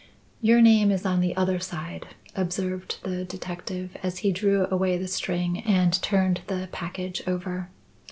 "Your name is on the other side," observed the detective as he drew away the string and turned the package over.